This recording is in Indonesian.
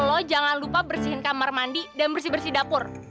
loh jangan lupa bersihin kamar mandi dan bersih bersih dapur